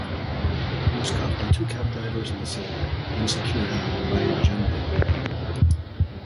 He was caught by two cabdrivers and a sailor, then secured by a gendarme.